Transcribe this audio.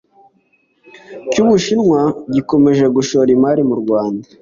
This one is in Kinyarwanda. cy’u Bushinwa gikomeje gushora imari m’u Rwanda